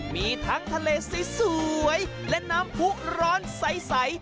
มีทั้งทะเลสวยและน้ำผู้ร้อนใส